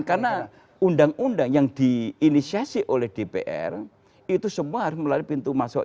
karena undang undang yang diinisiasi oleh dpr itu tugas dari balek